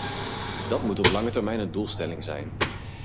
Dat moet op lange termijn een doelstelling zijn.